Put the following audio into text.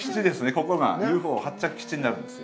ここがＵＦＯの発着基地になるんですよ。